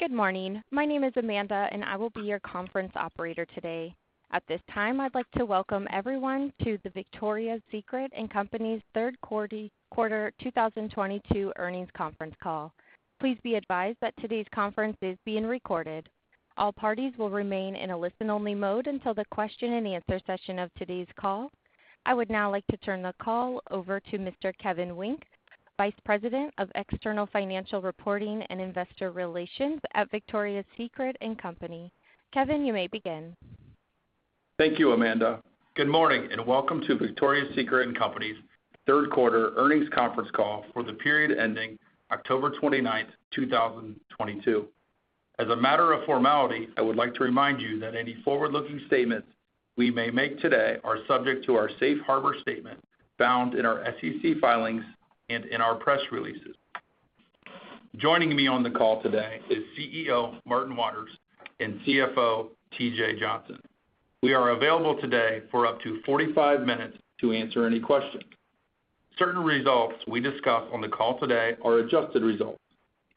Good morning. My name is Amanda, and I will be your conference operator today. At this time, I'd like to welcome everyone to the Victoria's Secret & Co.'s Q3 2022 Earnings Conference Call. Please be advised that today's conference is being recorded. All parties will remain in a listen-only mode until the Q&A session of today's call. I would now like to turn the call over to Mr. Kevin Wynk, Vice President of External Financial Reporting and Investor Relations at Victoria's Secret & Co.. Kevin, you may begin. Thank you, Amanda. Good morning, welcome to Victoria's Secret & Co.'s Q3 Earnings Conference Call for the period ending October 29, 2022. As a matter of formality, I would like to remind you that any forward-looking statements we may make today are subject to our safe harbor statement found in our SEC filings and in our press releases. Joining me on the call today is CEO, Martin Waters, and CFO, Timothy Johnson. We are available today for up to 45 minutes to answer any questions. Certain results we discuss on the call today are adjusted results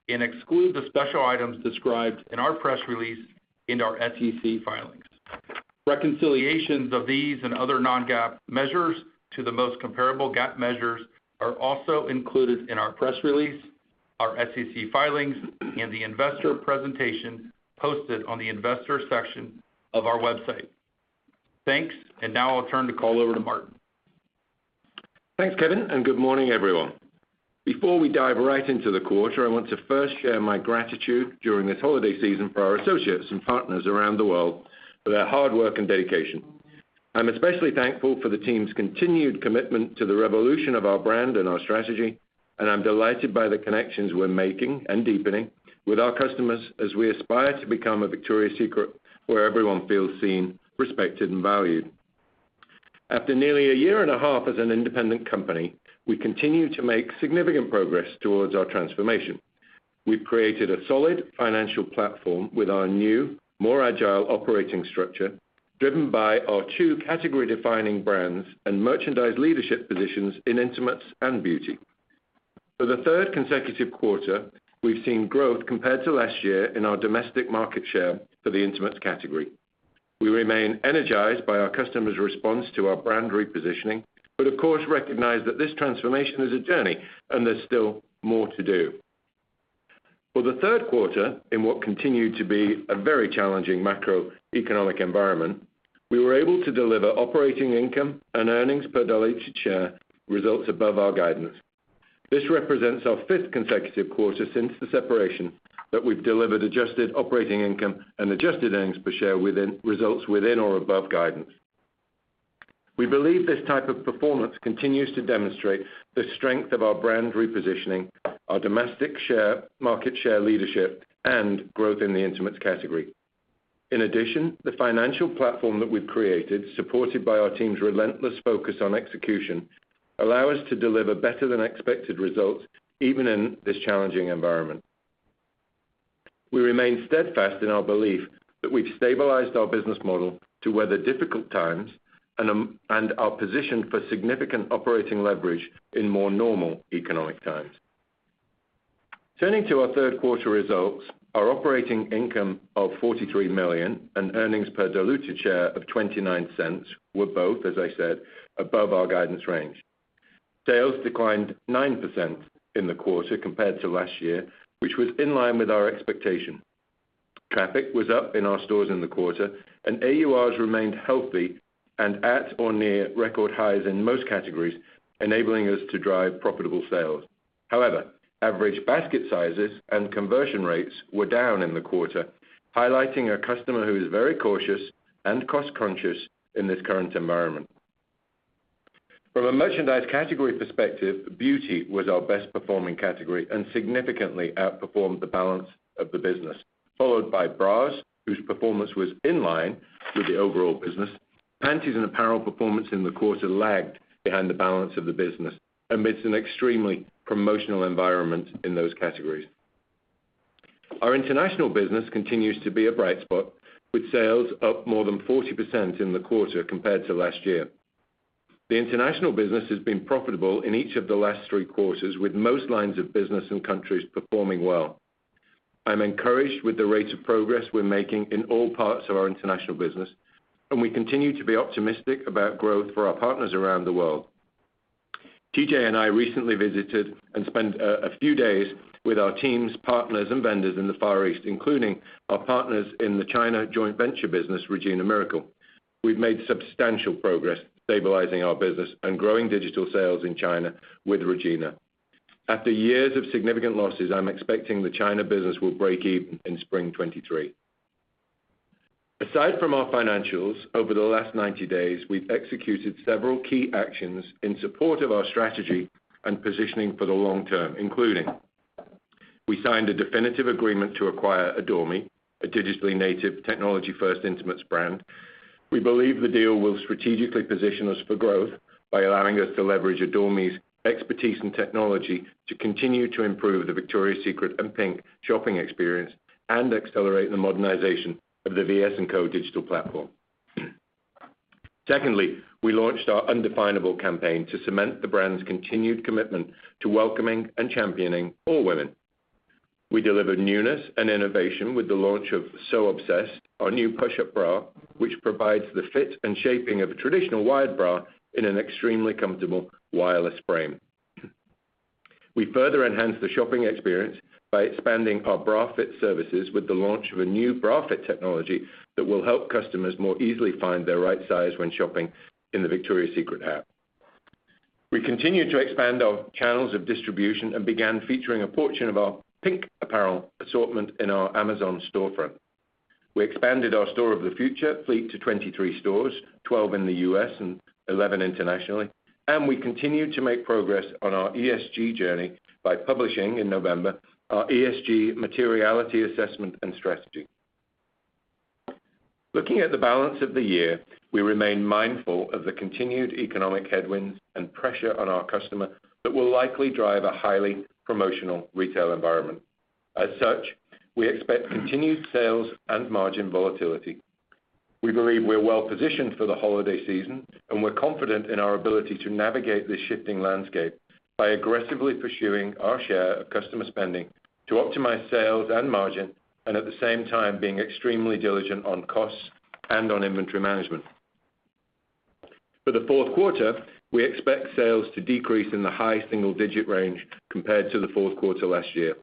and exclude the special items described in our press release in our SEC filings. Reconciliations of these and other non-GAAP measures to the most comparable GAAP measures are also included in our press release, our SEC filings, and the investor presentation posted on the investor section of our website. Thanks. Now I'll turn the call over to Martin. Thanks, Kevin, and good morning, everyone. Before we dive right into the quarter, I want to first share my gratitude during this holiday season for our associates and partners around the world for their hard work and dedication. I'm especially thankful for the team's continued commitment to the revolution of our brand and our strategy, and I'm delighted by the connections we're making and deepening with our customers as we aspire to become a Victoria's Secret where everyone feels seen, respected, and valued. After nearly a year and a half as an independent company, we continue to make significant progress towards our transformation. We've created a solid financial platform with our new, more agile operating structure driven by our two category-defining brands and merchandise leadership positions in intimates and beauty. For the third consecutive quarter, we've seen growth compared to last year in our domestic market share for the intimates category. We remain energized by our customers' response to our brand repositioning, of course, recognize that this transformation is a journey, and there's still more to do. For the Q3, in what continued to be a very challenging macroeconomic environment, we were able to deliver operating income and earnings per diluted share results above our guidance. This represents our fifth consecutive quarter since the separation that we've delivered adjusted operating income and adjusted earnings per share results within or above guidance. We believe this type of performance continues to demonstrate the strength of our brand repositioning, our domestic market share leadership, and growth in the intimates category. In addition, the financial platform that we've created, supported by our team's relentless focus on execution, allow us to deliver better than expected results even in this challenging environment. We remain steadfast in our belief that we've stabilized our business model to weather difficult times and are positioned for significant operating leverage in more normal economic times. Turning to our Q3 results, our operating income of $43 million and earnings per diluted share of $0.29 were both, as I said, above our guidance range. Sales declined 9% in the quarter compared to last year, which was in line with our expectation. Traffic was up in our stores in the quarter, and AURs remained healthy and at or near record highs in most categories, enabling us to drive profitable sales. However, average basket sizes and conversion rates were down in the quarter, highlighting a customer who is very cautious and cost-conscious in this current environment. From a merchandise category perspective, beauty was our best-performing category and significantly outperformed the balance of the business, followed by bras, whose performance was in line with the overall business. Panties and apparel performance in the quarter lagged behind the balance of the business amidst an extremely promotional environment in those categories. Our international business continues to be a bright spot, with sales up more than 40% in the quarter compared to last year. The international business has been profitable in each of the last three quarters, with most lines of business and countries performing well. I'm encouraged with the rate of progress we're making in all parts of our international business. We continue to be optimistic about growth for our partners around the world. TJ and I recently visited and spent a few days with our teams, partners, and vendors in the Far East, including our partners in the China joint venture business, Regina Miracle. We've made substantial progress stabilizing our business and growing digital sales in China with Regina. After years of significant losses, I'm expecting the China business will break even in spring 2023. Aside from our financials, over the last 90 days, we've executed several key actions in support of our strategy and positioning for the long-term, including we signed a definitive agreement to acquire Adore Me, a digitally native technology-first intimates brand. We believe the deal will strategically position us for growth by allowing us to leverage Adore Me's expertise in technology to continue to improve the Victoria's Secret and PINK shopping experience and accelerate the modernization of the VS&Co digital platform. We launched our Undefinable campaign to cement the brand's continued commitment to welcoming and championing all women. We delivered newness and innovation with the launch of So Obsessed, our new push-up bra, which provides the fit and shaping of a traditional wired bra in an extremely comfortable wireless frame. We further enhanced the shopping experience by expanding our bra fit services with the launch of a new bra fit technology that will help customers more easily find their right size when shopping in the Victoria's Secret app. We continued to expand our channels of distribution and began featuring a portion of our PINK apparel assortment in our Amazon storefront. We expanded our Store of the Future fleet to 23 stores, 12 in the U.S. and 11 internationally, and we continued to make progress on our ESG journey by publishing in November our ESG materiality assessment and strategy. Looking at the balance of the year, we remain mindful of the continued economic headwinds and pressure on our customer that will likely drive a highly promotional retail environment. We expect continued sales and margin volatility. We believe we're well-positioned for the holiday season, and we're confident in our ability to navigate this shifting landscape by aggressively pursuing our share of customer spending to optimize sales and margin and at the same time being extremely diligent on costs and on inventory management. For the Q4, we expect sales to decrease in the high single-digit range compared to the Q4 last year,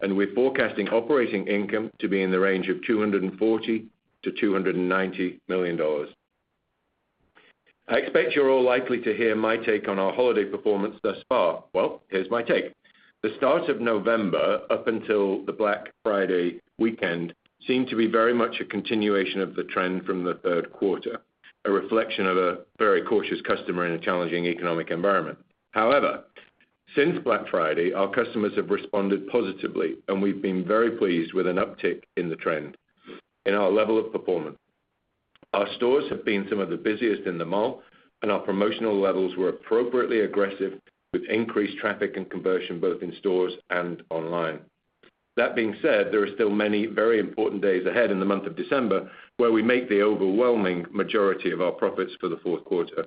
and we're forecasting operating income to be in the range of $240 million-$290 million. I expect you're all likely to hear my take on our holiday performance thus far. Well, here's my take. The start of November, up until the Black Friday weekend, seemed to be very much a continuation of the trend from the Q3, a reflection of a very cautious customer in a challenging economic environment. However, since Black Friday, our customers have responded positively, and we've been very pleased with an uptick in the trend in our level of performance. Our stores have been some of the busiest in the mall, and our promotional levels were appropriately aggressive with increased traffic and conversion both in stores and online. That being said, there are still many very important days ahead in the month of December where we make the overwhelming majority of our profits for the Q4.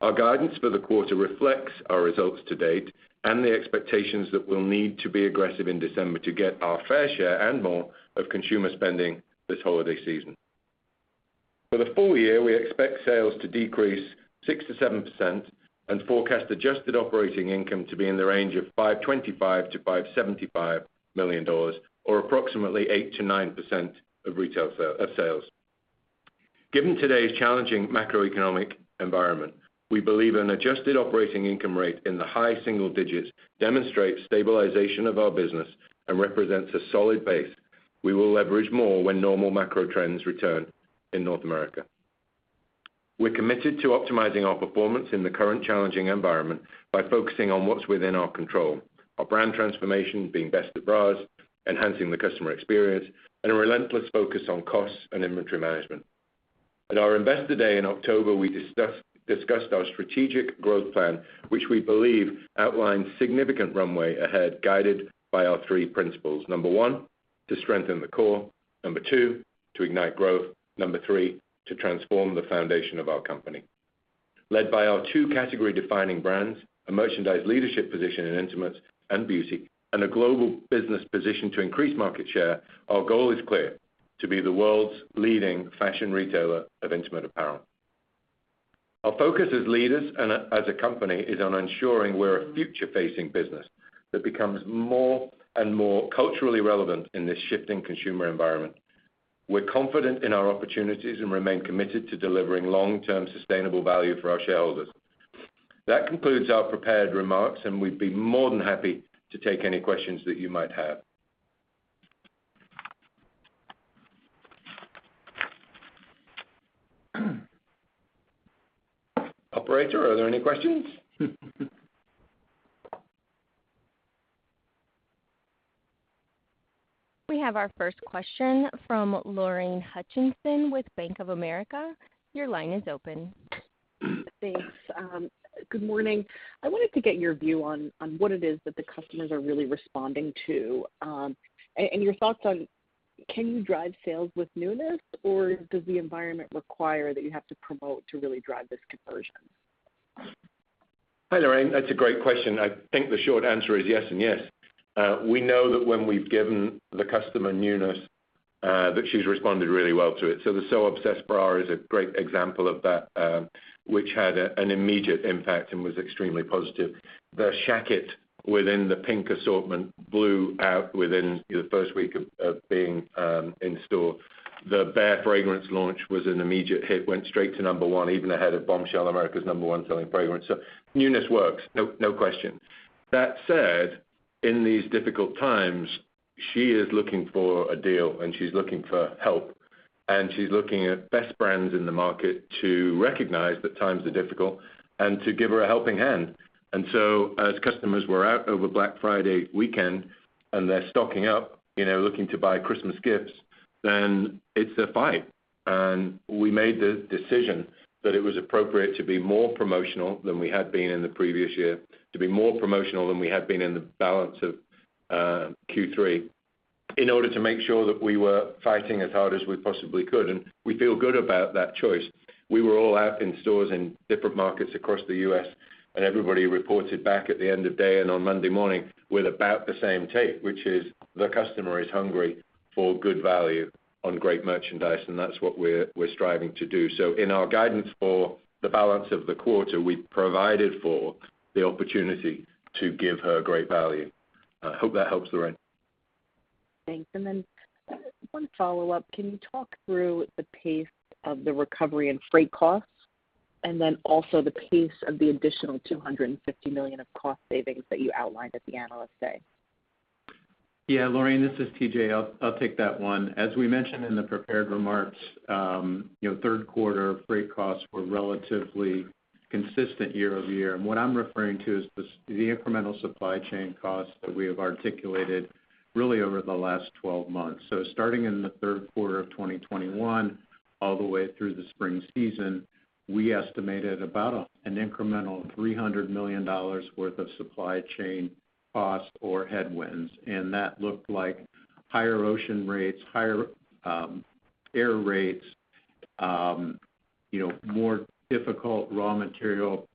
Our guidance for the quarter reflects our results to date and the expectations that we'll need to be aggressive in December to get our fair share and more of consumer spending this holiday season. For the full year, we expect sales to decrease 6%-7% and forecast adjusted operating income to be in the range of $525 million-$575 million or approximately 8%-9% of sales. Given today's challenging macroeconomic environment, we believe an adjusted operating income rate in the high single digits demonstrates stabilization of our business and represents a solid base we will leverage more when normal macro trends return in North America. We're committed to optimizing our performance in the current challenging environment by focusing on what's within our control, our brand transformation being best at bras, enhancing the customer experience, and a relentless focus on costs and inventory management. At our Investor Day in October, we discussed our strategic growth plan, which we believe outlines significant runway ahead, guided by our three principles: Number one, to strengthen the core. Number two, to ignite growth. Number three, to transform the foundation of our company. Led by our two category-defining brands, a merchandise leadership position in intimates and beauty, and a global business position to increase market share, our goal is clear: to be the world's leading fashion retailer of intimate apparel. Our focus as leaders as a company is on ensuring we're a future-facing business that becomes more and more culturally relevant in this shifting consumer environment. We're confident in our opportunities and remain committed to delivering long-term sustainable value for our shareholders. That concludes our prepared remarks, we'd be more than happy to take any questions that you might have. Operator, are there any questions? We have our first question from Lorraine Hutchinson with Bank of America. Your line is open. Thanks. Good morning. I wanted to get your view on what it is that the customers are really responding to, and your thoughts on can you drive sales with newness or does the environment require that you have to promote to really drive this conversion? Hi, Lorraine. That's a great question. I think the short answer is yes and yes. We know that when we've given the customer newness, that she's responded really well to it. The So Obsessed bra is a great example of that, which had an immediate impact and was extremely positive. The Shacket within the PINK assortment blew out within the first week of being in store. The Bare fragrance launch was an immediate hit, went straight to number one, even ahead of Bombshell, America's number one selling fragrance. Newness works, no question. That said, in these difficult times, she is looking for a deal, and she's looking for help, and she's looking at best brands in the market to recognize that times are difficult and to give her a helping hand. As customers were out over Black Friday weekend, and they're stocking up, you know, looking to buy Christmas gifts, then it's a fight. We made the decision that it was appropriate to be more promotional than we had been in the previous year, to be more promotional than we had been in the balance of Q3. In order to make sure that we were fighting as hard as we possibly could, we feel good about that choice. We were all out in stores in different markets across the U.S., everybody reported back at the end of day and on Monday morning with about the same take, which is the customer is hungry for good value on great merchandise, and that's what we're striving to do. In our guidance for the balance of the quarter, we provided for the opportunity to give her great value. I hope that helps, Lorraine. Thanks. One follow-up. Can you talk through the pace of the recovery and freight costs, and then also the pace of the additional $250 million of cost savings that you outlined at the Analyst Day? Yeah, Lorraine, this is TJ. I'll take that one. As we mentioned in the prepared remarks, you know, Q3 freight costs were relatively consistent year-over-year. What I'm referring to is the incremental supply chain costs that we have articulated really over the last 12 months. Starting in the Q3 of 2021 all the way through the spring season, we estimated about an incremental $300 million worth of supply chain costs or headwinds. That looked like higher ocean rates, higher air rates, you know, more difficult raw material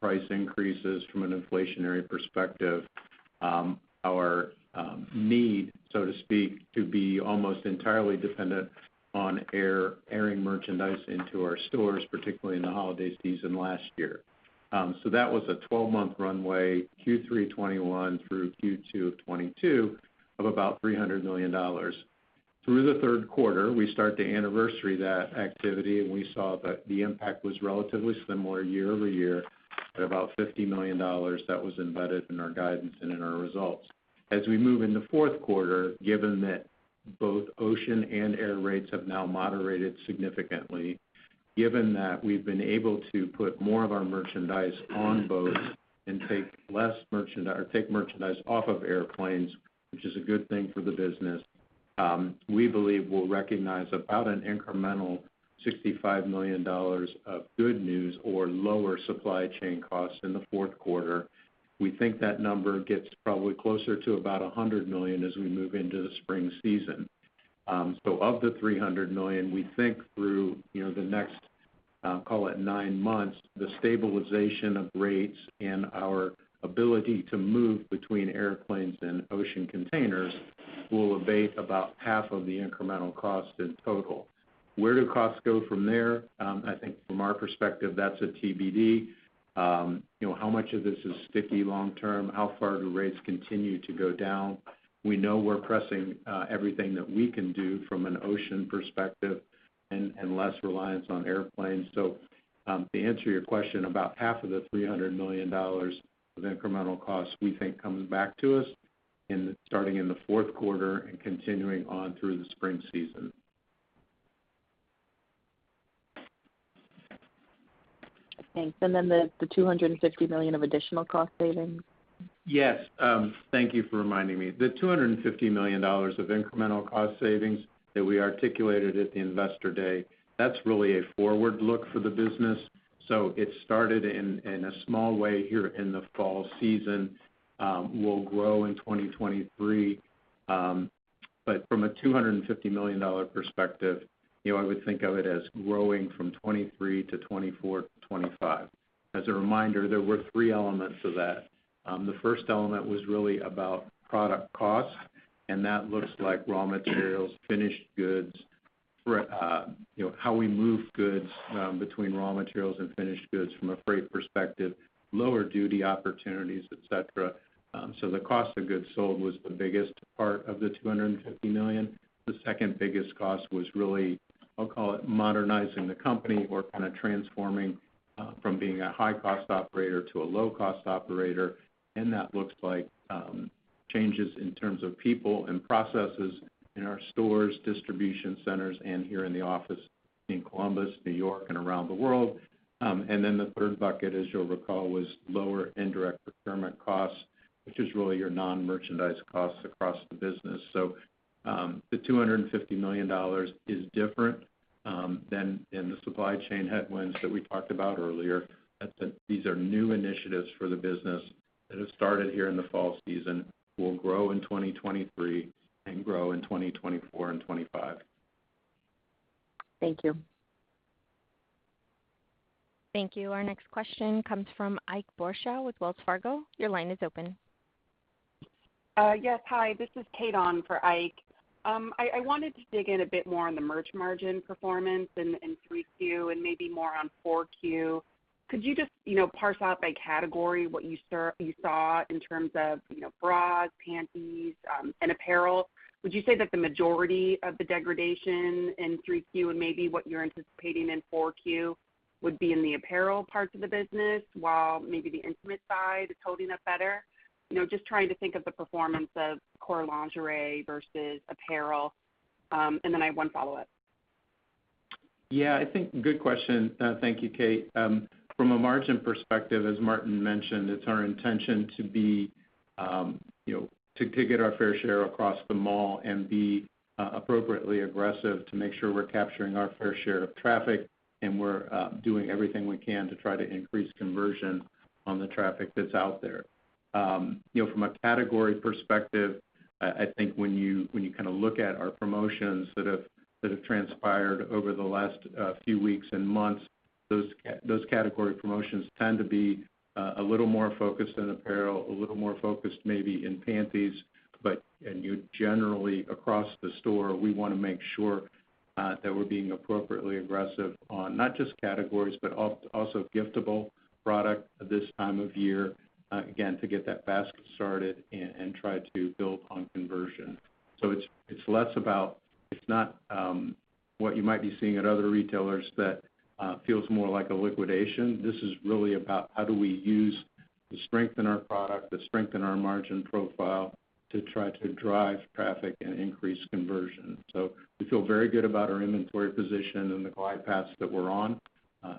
price increases from an inflationary perspective, our need, so to speak, to be almost entirely dependent on airing merchandise into our stores, particularly in the holiday season last year. That was a 12-month runway, Q3 2021 through Q2 2022, of about $300 million. Through the Q3, we start to anniversary that activity, and we saw that the impact was relatively similar year-over-year at about $50 million that was embedded in our guidance and in our results. We move in the Q4, given that both ocean and air rates have now moderated significantly, given that we've been able to put more of our merchandise on boats and take less or take merchandise off of airplanes, which is a good thing for the business, we believe we'll recognize about an incremental $65 million of good news or lower supply chain costs in the Q4. We think that number gets probably closer to about $100 million as we move into the spring season. Of the $300 million, we think through, you know, the next, call it nine months, the stabilization of rates and our ability to move between airplanes and ocean containers will abate about half of the incremental cost in total. Where do costs go from there? I think from our perspective, that's a TBD. You know, how much of this is sticky long term? How far do rates continue to go down? We know we're pressing everything that we can do from an ocean perspective and less reliance on airplanes. To answer your question, about half of the $300 million of incremental costs we think coming back to us starting in the Q4 and continuing on through the spring season. Thanks. Then the $250 million of additional cost savings? Yes. Thank you for reminding me. The $250 million of incremental cost savings that we articulated at the Investor Day, that's really a forward look for the business. It started in a small way here in the fall season, will grow in 2023. But from a $250 million perspective, I would think of it as growing from 2023 to 2024 to 2025. As a reminder, there were three elements to that. The first element was really about product costs, and that looks like raw materials, finished goods, how we move goods between raw materials and finished goods from a freight perspective, lower duty opportunities, et cetera. The cost of goods sold was the biggest part of the $250 million. The second biggest cost was really, I'll call it modernizing the company or kinda transforming from being a high-cost operator to a low-cost operator. That looks like changes in terms of people and processes in our stores, distribution centers, and here in the office in Columbus, New York, and around the world. The third bucket, as you'll recall, was lower indirect procurement costs, which is really your non-merchandise costs across the business. The $250 million is different than in the supply chain headwinds that we talked about earlier. These are new initiatives for the business that have started here in the fall season, will grow in 2023 and grow in 2024 and 2025. Thank you. Thank you. Our next question comes from Ike Boruchow with Wells Fargo. Your line is open. Yes, hi. This is Kate on for Ike. I wanted to dig in a bit more on the merch margin performance in 3Q and maybe more on 4Q. Could you just, you know, parse out by category what you saw in terms of, you know, bras, panties, and apparel? Would you say that the majority of the degradation in 3Q and maybe what you're anticipating in 4Q would be in the apparel parts of the business, while maybe the intimate side is holding up better? You know, just trying to think of the performance of core lingerie versus apparel. Then I have one follow-up. Yeah, I think good question. Thank you, Kate. From a margin perspective, as Martin mentioned, it's our intention to be, you know, to get our fair share across the mall and be appropriately aggressive to make sure we're capturing our fair share of traffic, and we're doing everything we can to try to increase conversion on the traffic that's out there. You know, from a category perspective, I think when you, when you kind of look at our promotions that have transpired over the last few weeks and months, those category promotions tend to be a little more focused in apparel, a little more focused maybe in panties. And you generally, across the store, we wanna make sure that we're being appropriately aggressive on not just categories, but also giftable product this time of year, again, to get that basket started and try to build on conversion. It's less about it's not what you might be seeing at other retailers that feels more like a liquidation. This is really about how do we use the strength in our product, the strength in our margin profile to try to drive traffic and increase conversion. We feel very good about our inventory position and the glide paths that we're on.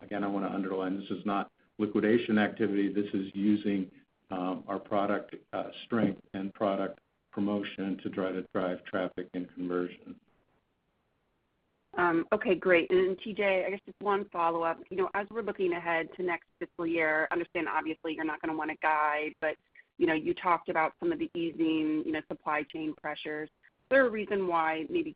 Again, I wanna underline this is not liquidation activity. This is using our product strength and product promotion to try to drive traffic and conversion. Okay, great. TJ, I guess just one follow-up. You know, as we're looking ahead to next fiscal year, understand obviously you're not gonna wanna guide, but, you know, you talked about some of the easing, you know, supply chain pressures. Is there a reason why we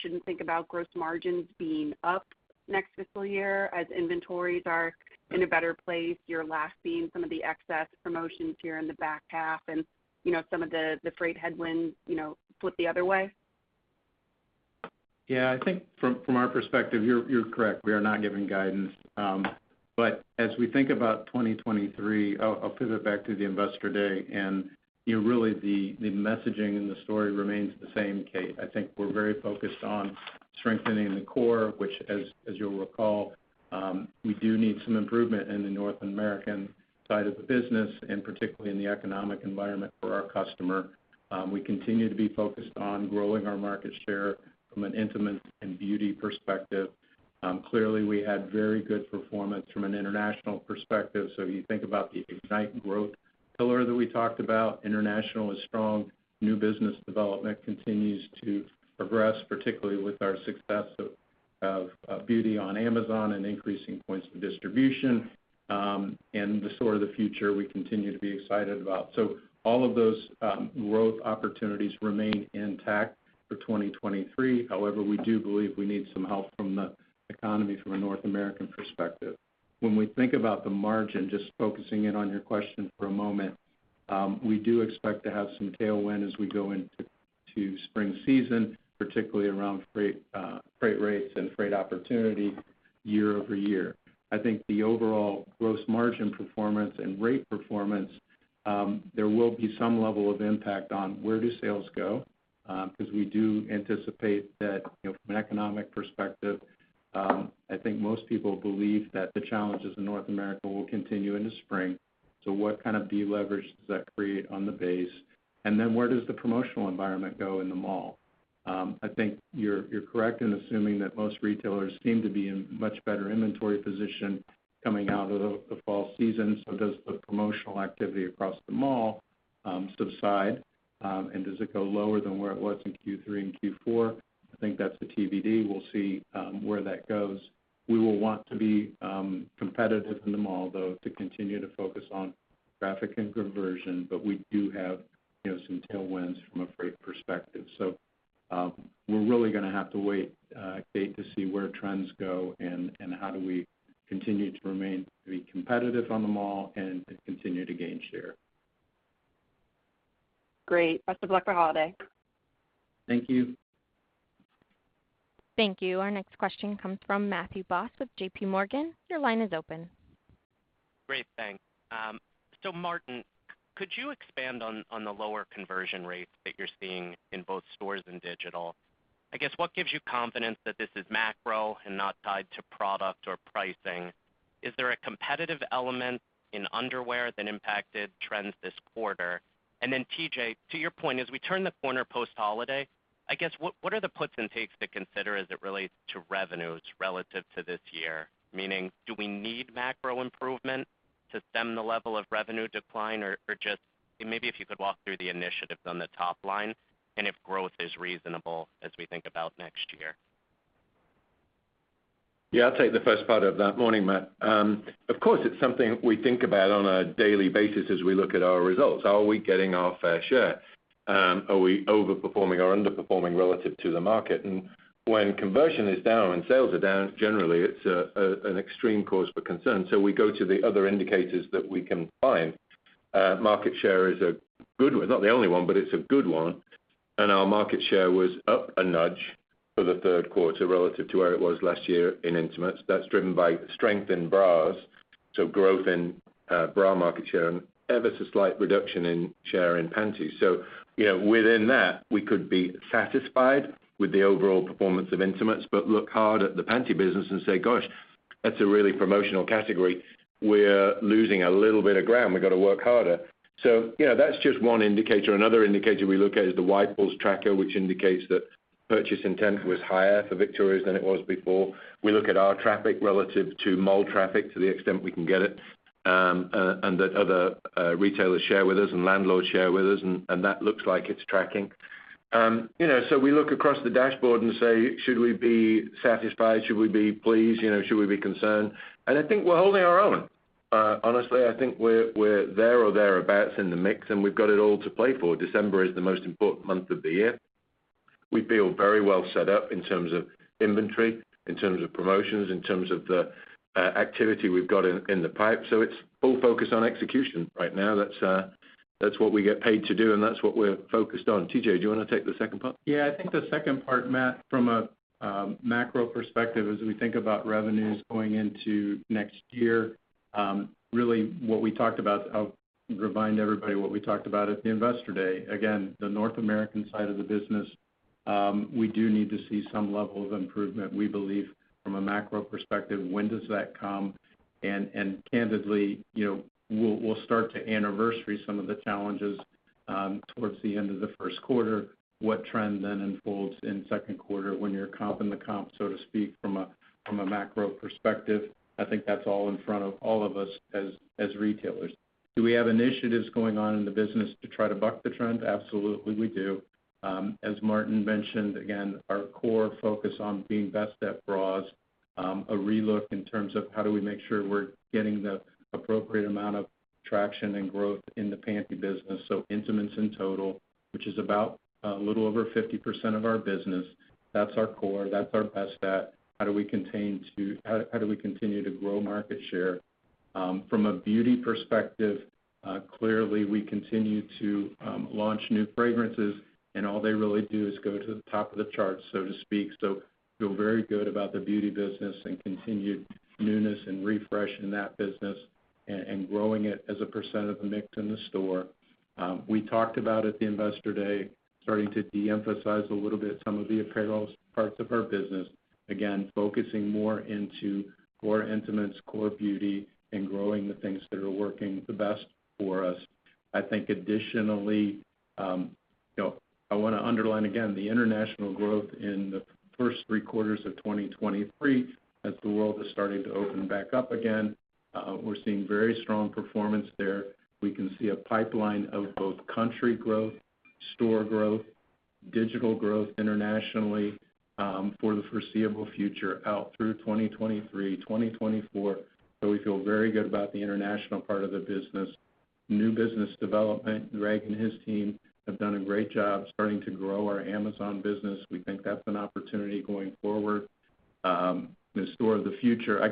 shouldn't think about gross margins being up next fiscal year as inventories are in a better place, you're lapping some of the excess promotions here in the back half and, you know, some of the freight headwinds, you know, flip the other way? I think from our perspective, you're correct. We are not giving guidance. As we think about 2023, I'll pivot back to the Investor Day and, you know, really the messaging and the story remains the same, Kate. I think we're very focused on strengthening the core, which as you'll recall, we do need some improvement in the North American side of the business, and particularly in the economic environment for our customer. We continue to be focused on growing our market share from an intimates and beauty perspective. Clearly, we had very good performance from an international perspective. You think about the ignite growth pillar that we talked about, international is strong. New business development continues to progress, particularly with our success of beauty on Amazon and increasing points of distribution. And the Store of the Future we continue to be excited about. All of those growth opportunities remain intact for 2023. However, we do believe we need some help from the economy from a North American perspective. When we think about the margin, just focusing in on your question for a moment, we do expect to have some tailwind as we go into, to spring season, particularly around freight rates and freight opportunity year-over-year. I think the overall gross margin performance and rate performance, there will be some level of impact on where do sales go, because we do anticipate that, you know, from an economic perspective, I think most people believe that the challenges in North America will continue into spring. What kind of deleverage does that create on the base? Where does the promotional environment go in the mall? I think you're correct in assuming that most retailers seem to be in much better inventory position coming out of the fall season. Does the promotional activity across the mall subside? And does it go lower than where it was in Q3 and Q4? I think that's the TBD. We'll see where that goes. We will want to be competitive in the mall, though, to continue to focus on traffic and conversion, but we do have, you know, some tailwinds from a freight perspective. We're really gonna have to wait, Kate, to see where trends go and how do we continue to remain to be competitive on the mall and continue to gain share. Great. Best of luck for holiday. Thank you. Thank you. Our next question comes from Matthew Boss with JPMorgan. Your line is open. Great, thanks. Martin, could you expand on the lower conversion rates that you're seeing in both stores and digital? I guess what gives you confidence that this is macro and not tied to product or pricing? Is there a competitive element in underwear that impacted trends this quarter? TJ to your point, as we turn the corner post-holiday, I guess what are the puts and takes to consider as it relates to revenues relative to this year? Meaning, do we need macro improvement to stem the level of revenue decline? Maybe if you could walk through the initiatives on the top line and if growth is reasonable as we think about next year. Yeah. I'll take the first part of that. Morning, Matt. Of course, it's something we think about on a daily basis as we look at our results. Are we getting our fair share? Are we overperforming or underperforming relative to the market? When conversion is down and sales are down, generally it's an extreme cause for concern, so we go to the other indicators that we can find. Market share is a good one. Not the only one, but it's a good one. Our market share was up a nudge for the Q3 relative to where it was last year in intimates. That's driven by strength in bras, so growth in bra market share and ever so slight reduction in share in panties. You know, within that, we could be satisfied with the overall performance of intimates, but look hard at the panty business and say, "Gosh, that's a really promotional category. We're losing a little bit of ground. We've gotta work harder." You know, that's just one indicator. Another indicator we look at is the Ipsos tracker, which indicates that purchase intent was higher for Victoria's than it was before. We look at our traffic relative to mall traffic to the extent we can get it, and that other retailers share with us and landlords share with us, and that looks like it's tracking. You know, we look across the dashboard and say, "Should we be satisfied? Should we be pleased? You know, should we be concerned?" I think we're holding our own. Honestly, I think we're there or thereabouts in the mix, and we've got it all to play for. December is the most important month of the year. We feel very well set up in terms of inventory, in terms of promotions, in terms of the activity we've got in the pipe. It's full focus on execution right now. That's what we get paid to do, and that's what we're focused on. TJ, do you wanna take the second part? Yeah, I think the second part, Matt, from a macro perspective, as we think about revenues going into next year, really what we talked about, I'll remind everybody what we talked about at the Investor Day. Again, the North American side of the business, we do need to see some level of improvement. We believe from a macro perspective, when does that come? Candidly, you know, we'll start to anniversary some of the challenges towards the end of the Q1. What trend unfolds in Q2 when you're comping the comp, so to speak, from a macro perspective? I think that's all in front of all of us as retailers. Do we have initiatives going on in the business to try to buck the trend? Absolutely, we do. As Martin mentioned, again, our core focus on being best at bras, a relook in terms of how do we make sure we're getting the appropriate amount of traction and growth in the panty business. Intimates in total, which is about a little over 50% of our business, that's our core, that's our best bet. How do we continue to grow market share? From a beauty perspective, clearly we continue to launch new fragrances, and all they really do is go to the top of the charts, so to speak. Feel very good about the beauty business and continued newness and refresh in that business and growing it as a percent of the mix in the store. We talked about at the Investor Day, starting to de-emphasize a little bit some of the apparel parts of our business. Focusing more into core intimates, core beauty, and growing the things that are working the best for us. I think additionally, you know, I wanna underline again the international growth in the first three quarters of 2023 as the world is starting to open back up again. We're seeing very strong performance there. We can see a pipeline of both country growth, store growth, digital growth internationally, for the foreseeable future out through 2023, 2024. We feel very good about the international part of the business. New business development, Greg and his team have done a great job starting to grow our Amazon business. We think that's an opportunity going forward. The Store of the Future. I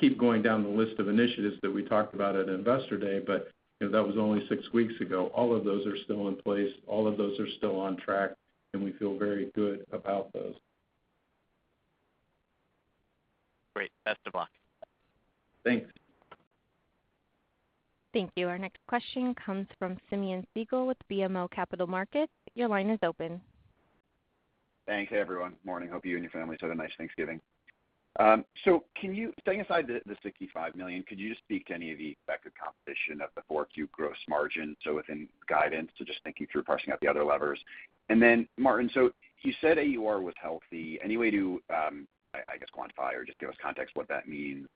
could keep going down the list of initiatives that we talked about at Investor Day, but, you know, that was only six weeks ago. All of those are still in place. All of those are still on track. We feel very good about those. Great. Best of luck. Thanks. Thank you. Our next question comes from Simeon Siegel with BMO Capital Markets. Your line is open. Thanks. Hey, everyone. Morning. Hope you and your families had a nice Thanksgiving. Can you setting aside the $65 million, could you just speak to any of the effect of competition of the 4Q gross margin, so within guidance, so just thinking through parsing out the other levers? Martin, you said AUR was healthy. Any way to, I guess, quantify or just give us context what that means?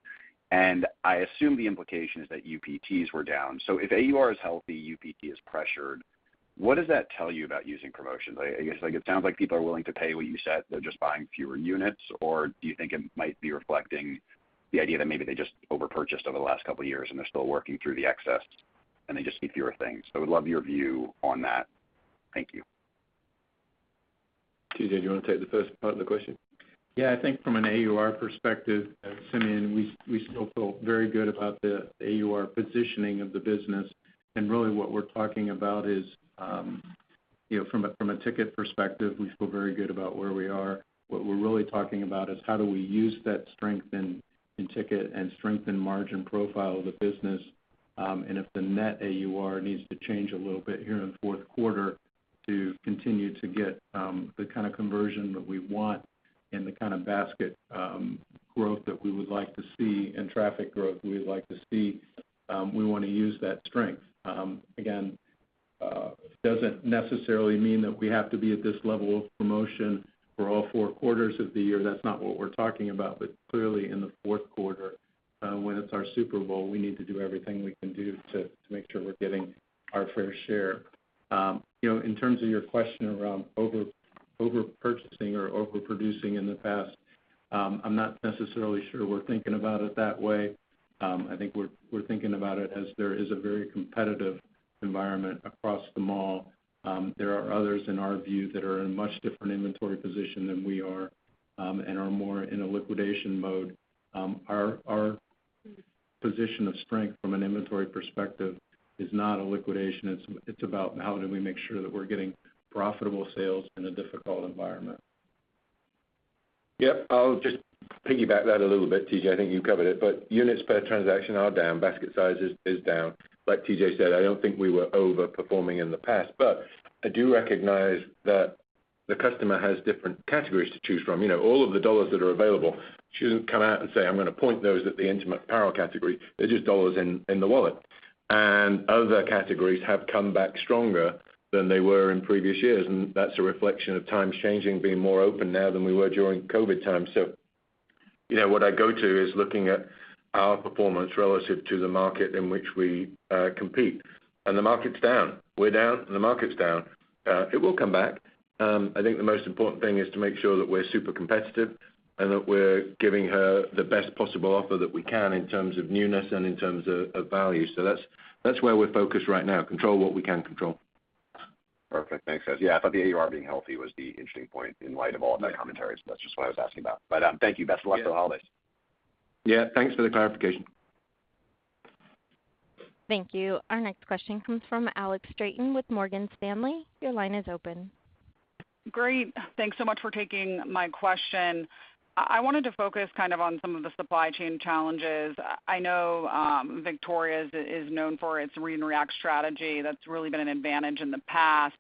I assume the implication is that UPTs were down. If AUR is healthy, UPT is pressured, what does that tell you about using promotions? I guess, like, it sounds like people are willing to pay what you said, they're just buying fewer units, or do you think it might be reflecting the idea that maybe they just over-purchased over the last couple years, and they're still working through the excess, and they just need fewer things? Would love your view on that. Thank you. TJ, do you wanna take the first part of the question? Yeah. I think from an AUR perspective, Simeon, we still feel very good about the AUR positioning of the business. Really what we're talking about is, you know, from a ticket perspective, we feel very good about where we are. What we're really talking about is how do we use that strength in ticket and strengthen margin profile of the business. If the net AUR needs to change a little bit here in the Q4 to continue to get the kind of conversion that we want and the kind of basket growth that we would like to see and traffic growth we would like to see, we wanna use that strength. Again, it doesn't necessarily mean that we have to be at this level of promotion for all four quarters of the year. That's not what we're talking about. Clearly in the Q4, when it's our Super Bowl, we need to do everything we can do to make sure we're getting our fair share. You know, in terms of your question around over-purchasing or overproducing in the past, I'm not necessarily sure we're thinking about it that way. I think we're thinking about it as there is a very competitive environment across the mall. There are others in our view that are in much different inventory position than we are and are more in a liquidation mode. Our position of strength from an inventory perspective is not a liquidation. It's about how do we make sure that we're getting profitable sales in a difficult environment. Yep, I'll just piggyback that a little bit, TJ. I think you covered it. Units per transaction are down. Basket size is down. Like TJ said, I don't think we were over-performing in the past, but I do recognize that the customer has different categories to choose from. You know, all of the dollars that are available shouldn't come out and say, "I'm gonna point those at the intimate apparel category." They're just dollars in the wallet. Other categories have come back stronger than they were in previous years, and that's a reflection of times changing, being more open now than we were during COVID times. You know, what I go to is looking at our performance relative to the market in which we compete, and the market's down. We're down, and the market's down. It will come back. I think the most important thing is to make sure that we're super competitive and that we're giving her the best possible offer that we can in terms of newness and in terms of value. That's, that's where we're focused right now, control what we can control. Perfect. Thanks. Yeah, I thought the AUR being healthy was the interesting point in light of all of that commentary. That's just what I was asking about. Thank you. Best luck for the holidays. Yeah. Thanks for the clarification. Thank you. Our next question comes from Alex Straton with Morgan Stanley. Your line is open. Great. Thanks so much for taking my question. I wanted to focus kind of on some of the supply chain challenges. I know Victoria's is known for its read and react strategy that's really been an advantage in the past,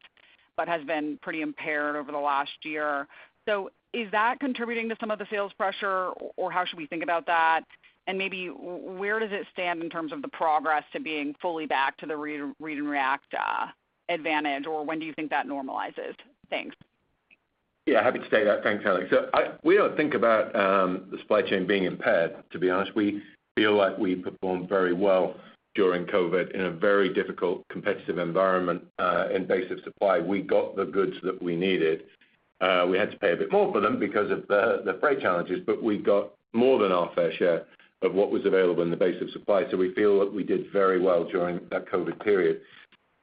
but has been pretty impaired over the last year. Is that contributing to some of the sales pressure, or how should we think about that? Maybe where does it stand in terms of the progress to being fully back to the read and react advantage, or when do you think that normalizes? Thanks. Yeah, happy to stay there. Thanks, Alex. We don't think about the supply chain being impaired, to be honest. We feel like we performed very well during COVID in a very difficult competitive environment, in base of supply. We got the goods that we needed. We had to pay a bit more for them because of the freight challenges, but we got more than our fair share of what was available in the base of supply. We feel that we did very well during that COVID period.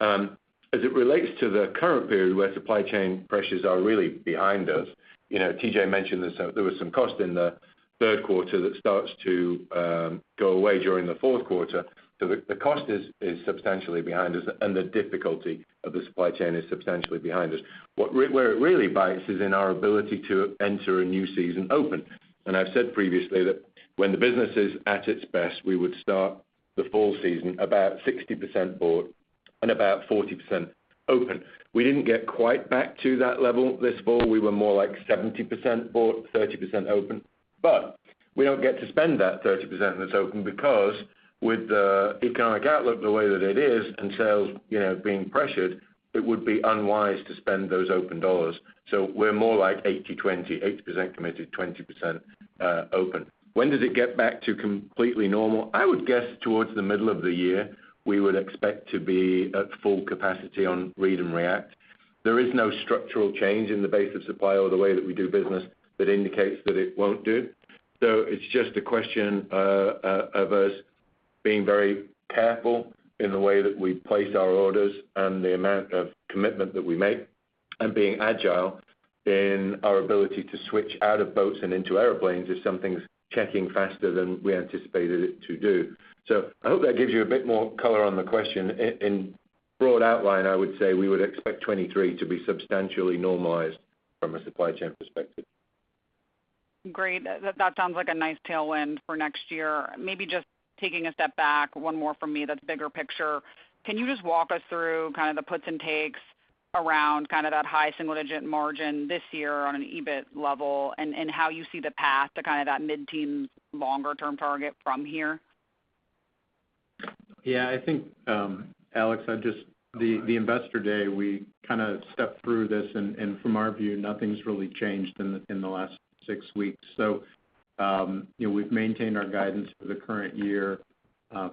As it relates to the current period where supply chain pressures are really behind us, you know, TJ mentioned this, there was some cost in the Q3 that starts to go away during the Q4. The cost is substantially behind us and the difficulty of the supply chain is substantially behind us. Where it really bites is in our ability to enter a new season open. I've said previously that when the business is at its best, we would start the fall season about 60% bought and about 40% open. We didn't get quite back to that level this fall. We were more like 70% bought, 30% open. We don't get to spend that 30% that's open because with the economic outlook the way that it is and sales, you know, being pressured, it would be unwise to spend those open dollars. We're more like 80/20, 80% committed, 20% open. When does it get back to completely normal? I would guess towards the middle of the year, we would expect to be at full capacity on read and react. There is no structural change in the base of supply or the way that we do business that indicates that it won't do. It's just a question of us being very careful in the way that we place our orders and the amount of commitment that we make and being agile in our ability to switch out of boats and into airplanes if something's checking faster than we anticipated it to do. I hope that gives you a bit more color on the question. In broad outline, I would say we would expect 2023 to be substantially normalized from a supply chain perspective. Great. That sounds like a nice tailwind for next year. Maybe just taking a step back, one more from me that's bigger picture. Can you just walk us through kind of the puts and takes around kind of that high single-digit margin this year on an EBIT level and how you see the path to kind of that mid-teen longer-term target from here? Yeah, I think, Alex, the Investor Day, we kind of stepped through this, and from our view, nothing's really changed in the last six weeks. You know, we've maintained our guidance for the current year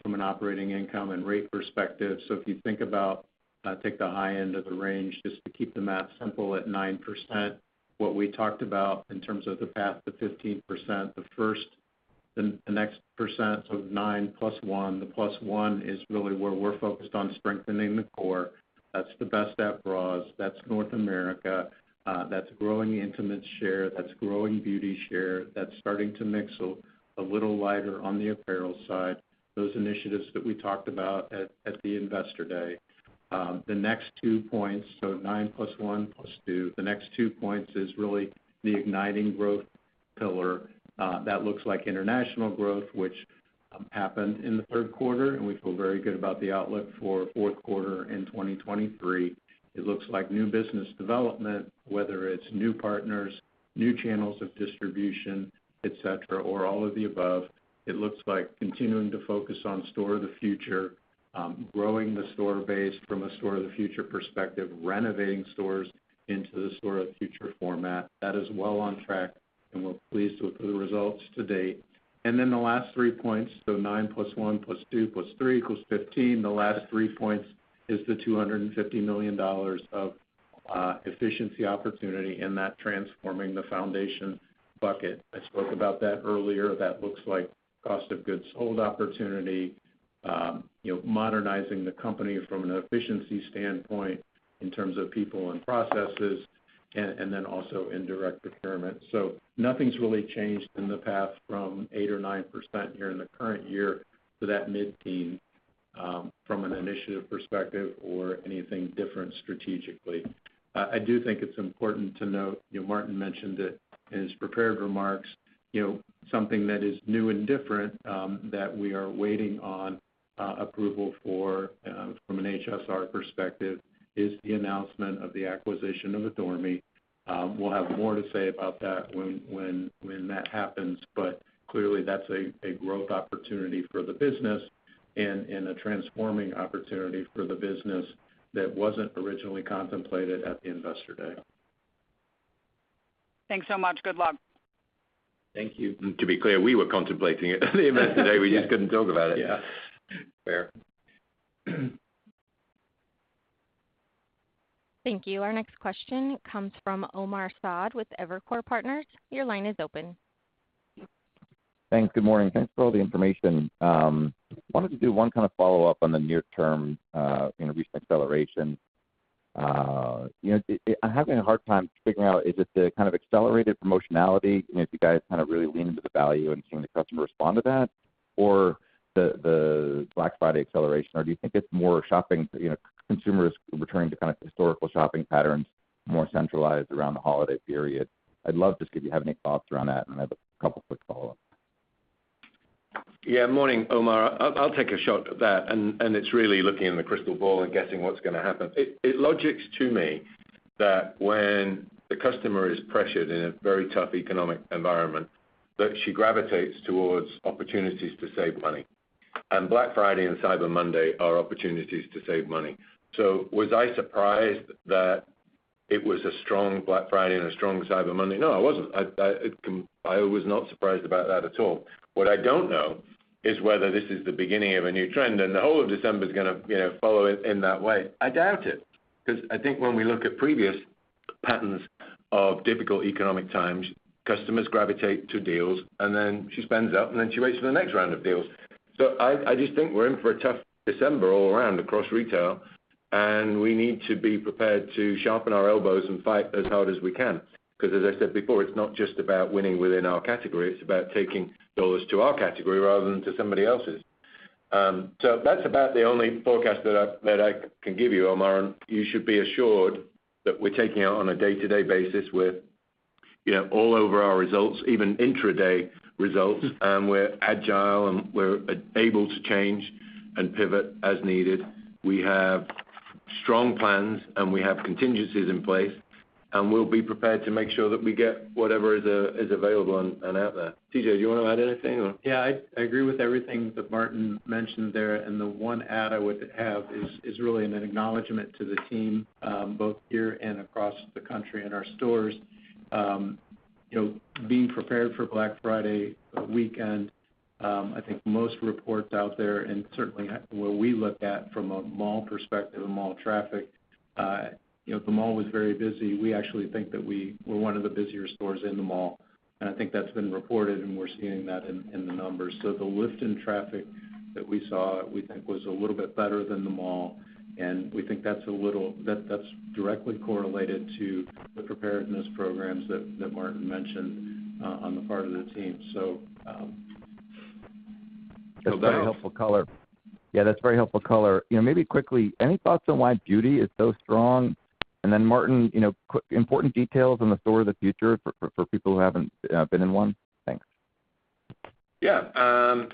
from an operating income and rate perspective. If you think about, take the high end of the range, just to keep the math simple at 9%, what we talked about in terms of the path to 15%, the next percent, so nine plus one, the plus one is really where we're focused on strengthening the core. That's the best at bras, that's North America, that's growing intimate share, that's growing beauty share, that's starting to mix a little lighter on the apparel side, those initiatives that we talked about at the Investor Day. The next two points, so nine plus one plus two, the next two points is really the igniting growth pillar, that looks like international growth, which happened in the Q3. We feel very good about the outlook for Q4 in 2023. It looks like new business development, whether it's new partners, new channels of distribution, et cetera, or all of the above. It looks like continuing to focus on Store of the Future, growing the store base from a Store of the Future perspective, renovating stores into the Store of the Future format. That is well on track, and we're pleased with the results to date. The last three points, so nine plus one plus two plus three equals 15, the last three points is the $250 million of efficiency opportunity in that transforming the foundation bucket. I spoke about that earlier. That looks like cost of goods sold opportunity, you know, modernizing the company from an efficiency standpoint in terms of people and processes, and then also indirect procurement. Nothing's really changed in the path from 8% or 9% here in the current year to that mid-teen from an initiative perspective or anything different strategically. I do think it's important to note, you know, Martin mentioned it in his prepared remarks, you know, something that is new and different that we are waiting on approval for from an HSR perspective is the announcement of the acquisition of Adore Me. We'll have more to say about that when that happens, but clearly, that's a growth opportunity for the business and a transforming opportunity for the business that wasn't originally contemplated at the Investor Day. Thanks so much. Good luck. Thank you. To be clear, we were contemplating it today. We just couldn't talk about it. Yeah. Fair. Thank you. Our next question comes from Omar Saad with Evercore Partners Your line is open. Thanks. Good morning. Thanks for all the information. wanted to do one kind of follow-up on the near term, you know, recent acceleration. you know, I'm having a hard time figuring out is it the kind of accelerated promotionality, you know, if you guys kind of really lean into the value and seeing the customer respond to that or the Black Friday acceleration, or do you think it's more shopping, you know, consumers returning to kind of historical shopping patterns more centralized around the holiday period? I'd love just if you have any thoughts around that. I have a couple quick follow-up. Yeah. Morning, Omar. I'll take a shot at that. It's really looking in the crystal ball and guessing what's gonna happen. It logics to me that when the customer is pressured in a very tough economic environment, that she gravitates towards opportunities to save money. Black Friday and Cyber Monday are opportunities to save money. Was I surprised that it was a strong Black Friday and a strong Cyber Monday? No, I wasn't. I was not surprised about that at all. What I don't know is whether this is the beginning of a new trend, and the whole of December's gonna, you know, follow it in that way. I doubt it because I think when we look at previous patterns of difficult economic times, customers gravitate to deals, and then she spends up, and then she waits for the next round of deals. I just think we're in for a tough December all around across retail, and we need to be prepared to sharpen our elbows and fight as hard as we can. As I said before, it's not just about winning within our category, it's about taking dollars to our category rather than to somebody else's. That's about the only forecast that I can give you, Omar. You should be assured that we're taking it on a day-to-day basis. We're, you know, all over our results, even intra-day results. We're agile, and we're able to change and pivot as needed. We have strong plans, and we have contingencies in place, and we'll be prepared to make sure that we get whatever is available and out there. TJ, do you wanna add anything or? Yeah. I agree with everything that Martin mentioned there. The one add I would have is really an acknowledgment to the team, both here and across the country in our stores. You know, being prepared for Black Friday weekend, I think most reports out there, certainly where we look at from a mall perspective and mall traffic, you know, the mall was very busy. We actually think that we were one of the busier stores in the mall. I think that's been reported, and we're seeing that in the numbers. The lift in traffic that we saw, we think was a little bit better than the mall. We think that's a little. That's directly correlated to the preparedness programs that Martin mentioned on the part of the team. That's very helpful color. Yeah, that's very helpful color. You know, maybe quickly, any thoughts on why beauty is so strong? Martin, you know, quick important details on the Store of the Future for people who haven't been in one. Thanks. Yeah.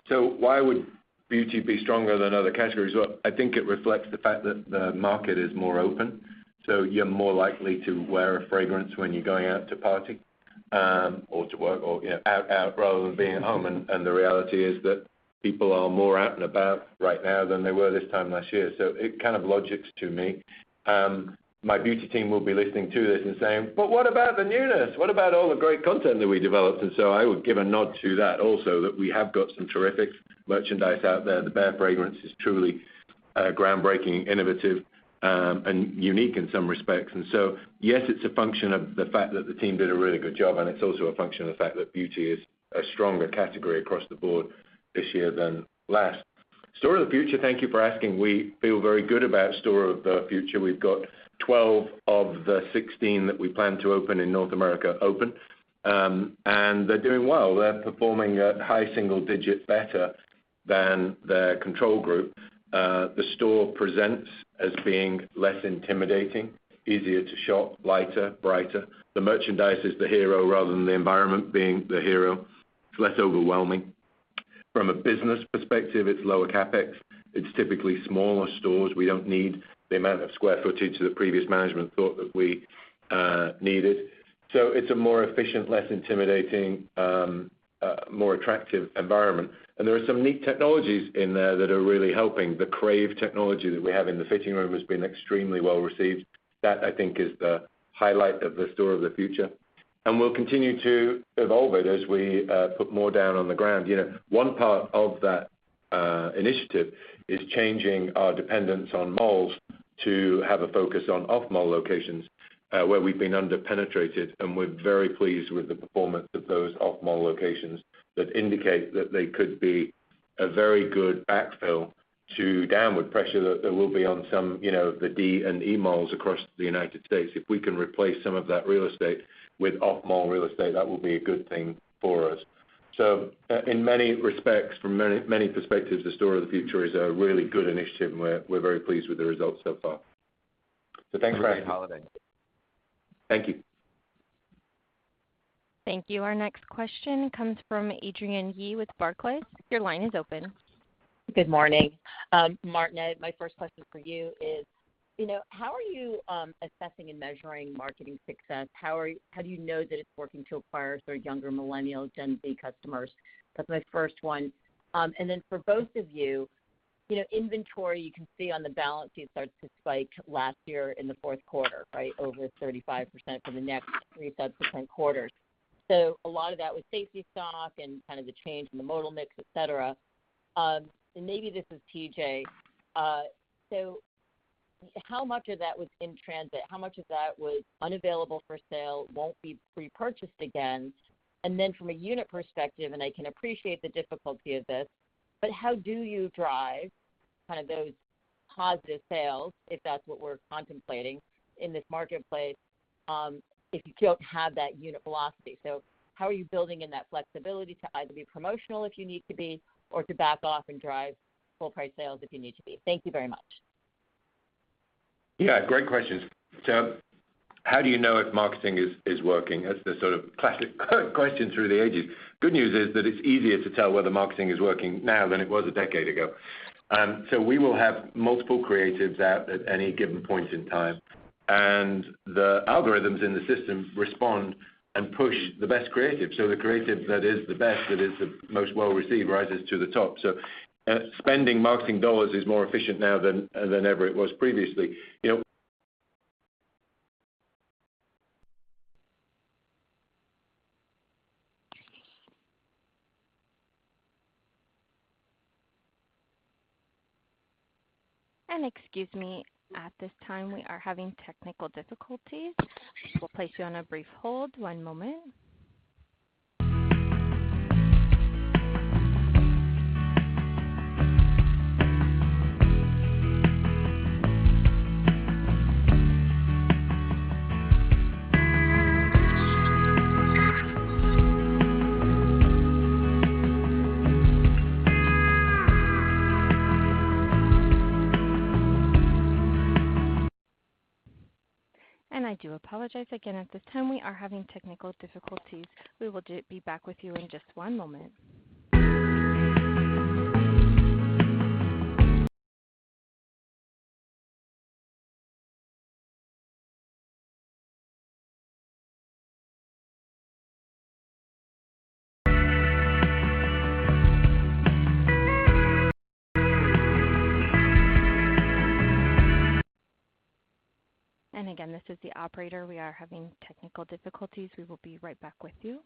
Why would beauty be stronger than other categories? Well, I think it reflects the fact that the market is more open, so you're more likely to wear a fragrance when you're going out to party, or to work or, you know, out rather than being at home. The reality is that people are more out and about right now than they were this time last year. It kind of logics to me. My beauty team will be listening to this and saying, "But what about the newness? What about all the great content that we developed?" I would give a nod to that also, that we have got some terrific merchandise out there. The Bare fragrance is truly groundbreaking, innovative, and unique in some respects. Yes, it's a function of the fact that the team did a really good job, and it's also a function of the fact that beauty is a stronger category across the board this year than last. Store of the Future, thank you for asking. We feel very good about Store of the Future. We've got 12 of the 16 that we plan to open in North America open, and they're doing well. They're performing at high single digits better than the control group. The store presents as being less intimidating, easier to shop, lighter, brighter. The merchandise is the hero rather than the environment being the hero. It's less overwhelming. From a business perspective, it's lower CapEx. It's typically smaller stores. We don't need the amount of square footage that previous management thought that we needed. It's a more efficient, less intimidating, more attractive environment. There are some neat technologies in there that are really helping. The Crave technology that we have in the fitting room has been extremely well-received. That I think is the highlight of the Store of the Future, and we'll continue to evolve it as we put more down on the ground. You know, one part of that initiative is changing our dependence on malls to have a focus on off-mall locations, where we've been under-penetrated, and we're very pleased with the performance of those off-mall locations that indicate that they could be a very good backfill to downward pressure that will be on some, you know, the D and E malls across the United States. If we can replace some of that real estate with off-mall real estate, that will be a good thing for us. In many respects, from many, many perspectives, the Store of the Future is a really good initiative, and we're very pleased with the results so far. Thanks for asking. Have a great holiday. Thank you. Thank you. Our next question comes from Adrienne Yih with Barclays. Your line is open. Good morning. Martin, my first question for you is, you know, how are you assessing and measuring marketing success? How do you know that it's working to acquire sort of younger millennial Gen Z customers? That's my first one. Then for both of you. You know, inventory, you can see on the balance sheet, starts to spike last year in the Q4, right, over 35% for the next three subsequent quarters. A lot of that was safety stock and kind of the change in the modal mix, et cetera. Maybe this is TJ. How much of that was in transit? How much of that was unavailable for sale, won't be repurchased again? From a unit perspective, and I can appreciate the difficulty of this, but how do you drive kind of those positive sales, if that's what we're contemplating in this marketplace, if you don't have that unit velocity? How are you building in that flexibility to either be promotional if you need to be, or to back off and drive full price sales if you need to be? Thank you very much. Yeah, great questions. How do you know if marketing is working? That's the sort of classic question through the ages. Good news is that it's easier to tell whether marketing is working now than it was a decade ago. We will have multiple creatives out at any given point in time, and the algorithms in the system respond and push the best creative. The creative that is the best, that is the most well received, rises to the top. Spending marketing dollars is more efficient now than ever it was previously. You know... Excuse me, at this time, we are having technical difficulties. We'll place you on a brief hold, one moment. I do apologize again. At this time, we are having technical difficulties. We will be back with you in just one moment. Again, this is the operator. We are having technical difficulties. We will be right back with you.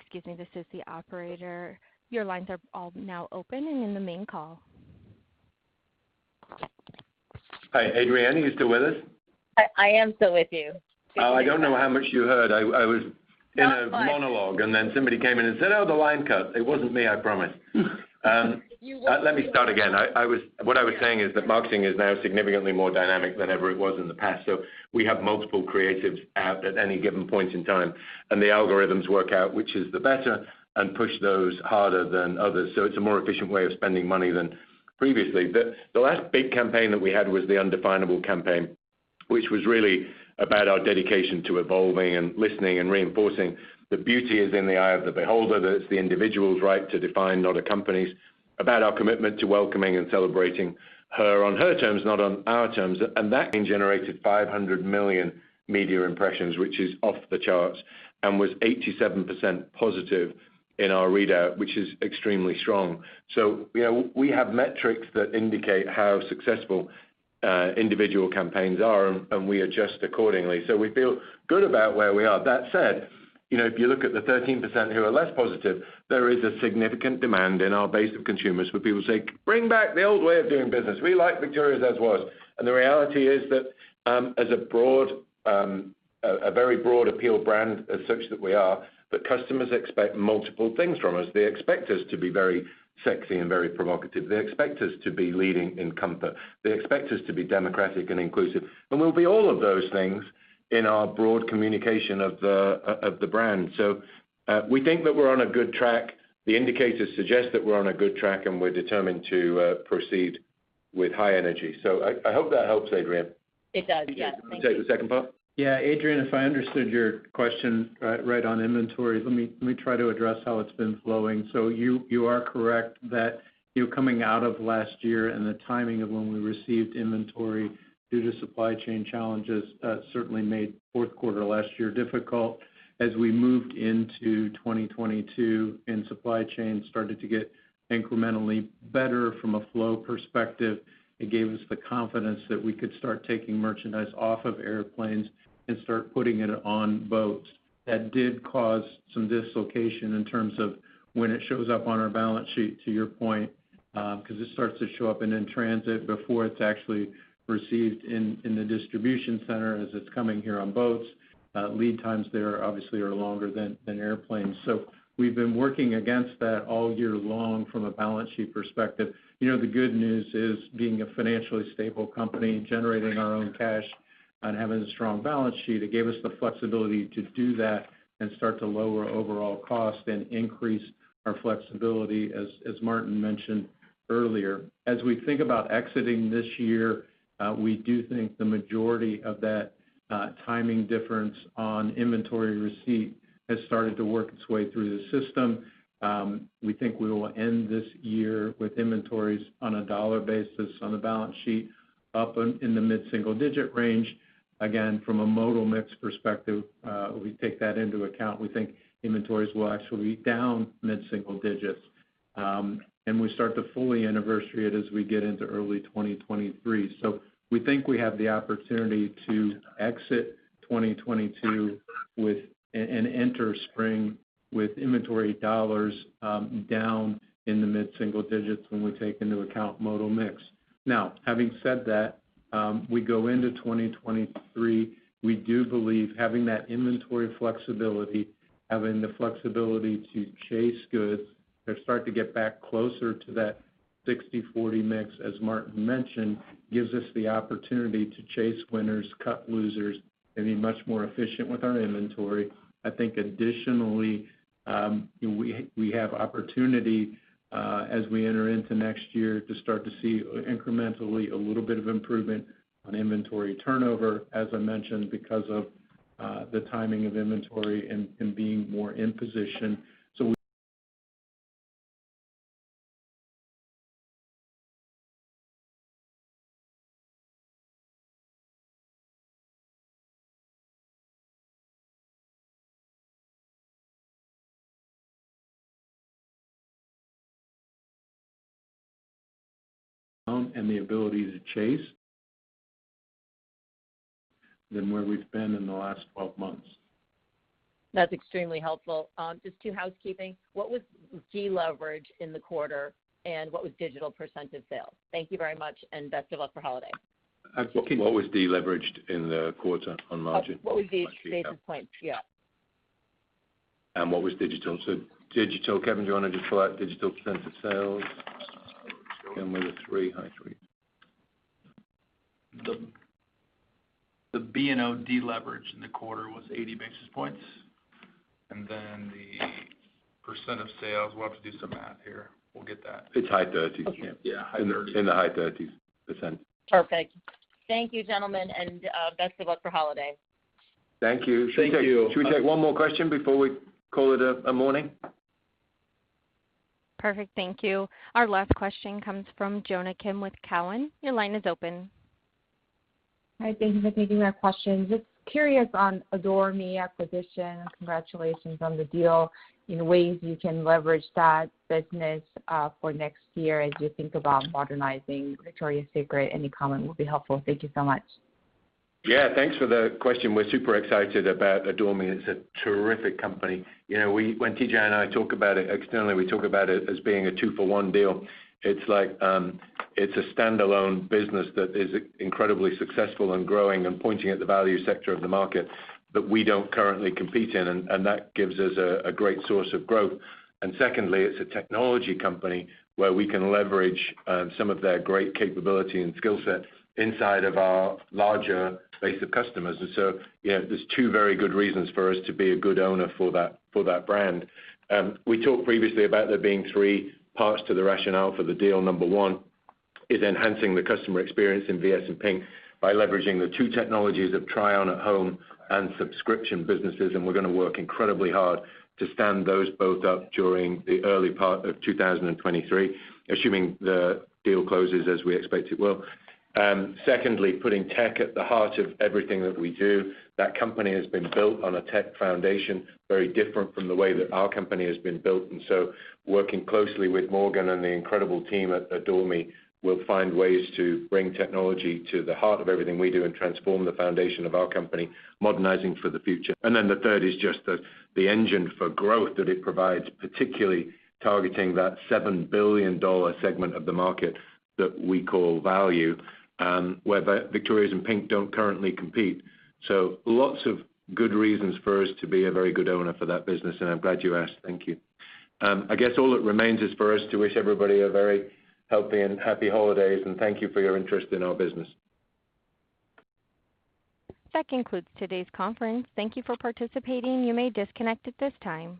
Excuse me, this is the operator. Your lines are all now open and in the main call. Hi, Adrienne. Are you still with us? I am still with you. Oh, I don't know how much you heard. I was in a monologue, and then somebody came in and said, "Oh, the line cut." It wasn't me, I promise. Let me start again. What I was saying is that marketing is now significantly more dynamic than ever it was in the past. We have multiple creatives out at any given point in time, and the algorithms work out which is the better and push those harder than others. It's a more efficient way of spending money than previously. The last big campaign that we had was the Undefinable campaign, which was really about our dedication to evolving and listening and reinforcing that beauty is in the eye of the beholder, that it's the individual's right to define, not a company's, about our commitment to welcoming and celebrating her on her terms, not on our terms. That campaign generated 500 million media impressions, which is off the charts, and was 87% positive in our readout, which is extremely strong. You know, we have metrics that indicate how successful individual campaigns are, and we adjust accordingly. We feel good about where we are. That said, you know, if you look at the 13% who are less positive, there is a significant demand in our base of consumers where people say, "Bring back the old way of doing business. We like Victoria's as was. The reality is that, as a very broad appeal brand as such that we are, that customers expect multiple things from us. They expect us to be very sexy and very provocative. They expect us to be leading in comfort. They expect us to be democratic and inclusive, and we'll be all of those things in our broad communication of the brand. We think that we're on a good track. The indicators suggest that we're on a good track, and we're determined to proceed with high energy. I hope that helps, Adrienne. It does, yes. Thank you. TJ, do you want to take the second part? Yeah. Adrienne, if I understood your question, right on inventory, let me try to address how it's been flowing. You, you are correct that, you know, coming out of last year and the timing of when we received inventory due to supply chain challenges, certainly made Q4 last year difficult. As we moved into 2022 and supply chain started to get incrementally better from a flow perspective, it gave us the confidence that we could start taking merchandise off of airplanes and start putting it on boats. That did cause some dislocation in terms of when it shows up on our balance sheet, to your point, 'cause it starts to show up and in transit before it's actually received in the distribution center as it's coming here on boats. Lead times there obviously are longer than airplanes. We've been working against that all year long from a balance sheet perspective. You know, the good news is being a financially stable company, generating our own cash, and having a strong balance sheet, it gave us the flexibility to do that and start to lower overall cost and increase our flexibility, as Martin mentioned earlier. As we think about exiting this year, we do think the majority of that timing difference on inventory receipt has started to work its way through the system. We think we will end this year with inventories on a dollar basis on the balance sheet up in the mid-single digit range. Again, from a modal mix perspective, we take that into account. We think inventories will actually be down mid-single digits. And we start to fully anniversary it as we get into early 2023. We think we have the opportunity to exit 2022 with and enter spring with inventory dollars down in the mid-single digits when we take into account modal mix. Now, having said that, we go into 2023, we do believe having that inventory flexibility, having the flexibility to chase goods or start to get back closer to that 60/40 mix, as Martin Waters mentioned, gives us the opportunity to chase winners, cut losers, and be much more efficient with our inventory. I think additionally, we have opportunity as we enter into next year to start to see incrementally a little bit of improvement on inventory turnover, as I mentioned, because of the timing of inventory and being more in position. And the ability to chase than where we've been in the last 12 months. That's extremely helpful. just 2 housekeeping. What was deleverage in the quarter, and what was digital % of sales? Thank you very much, best of luck for holiday. Thank you. What was deleveraged in the quarter on margin? What was the basis points? Yeah. What was digital? Digital, Kevin, do you wanna just call out digital % of sales? We're 3%, high 3%s. The B&O deleverage in the quarter was 80 basis points. The percent of sales, we'll have to do some math here. We'll get that. It's high 30s. Okay. Yeah, high 30s. In the high 30s percent. Perfect. Thank you, gentlemen, and, best of luck for holiday. Thank you. Thank you. Should we take one more question before we call it a morning? Perfect. Thank you. Our last question comes from Jonna Kim with Cowen. Your line is open. Hi. Thank you for taking my question. Just curious on Adore Me acquisition, congratulations on the deal, any ways you can leverage that business for next year as you think about modernizing Victoria's Secret. Any comment will be helpful. Thank you so much. Yeah, thanks for the question. We're super excited about Adore Me. It's a terrific company. You know, when TJ and I talk about it externally, we talk about it as being a two-for-one deal. It's like, it's a standalone business that is incredibly successful and growing and pointing at the value sector of the market that we don't currently compete in, and that gives us a great source of growth. Secondly, it's a technology company where we can leverage some of their great capability and skill set inside of our larger base of customers. You know, there's two very good reasons for us to be a good owner for that brand. We talked previously about there being three parts to the rationale for the deal. Number one is enhancing the customer experience in VS and PINK by leveraging the two technologies of try-on at home and subscription businesses, and we're gonna work incredibly hard to stand those both up during the early part of 2023, assuming the deal closes as we expect it will. Secondly, putting tech at the heart of everything that we do. That company has been built on a tech foundation, very different from the way that our company has been built. Working closely with Morgan and the incredible team at Adore Me, we'll find ways to bring technology to the heart of everything we do and transform the foundation of our company, modernizing for the future. The third is just the engine for growth that it provides, particularly targeting that $7 billion segment of the market that we call value, where Victoria's and PINK don't currently compete. Lots of good reasons for us to be a very good owner for that business, and I'm glad you asked. Thank you. I guess all that remains is for us to wish everybody a very healthy and happy holidays, and thank you for your interest in our business. That concludes today's conference. Thank you for participating. You may disconnect at this time.